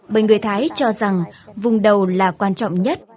bệnh người thái cho rằng vùng đầu là quan trọng nhất